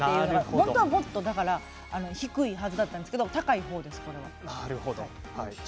本当は、もっと低いはずだったんですけどこれは高い方です。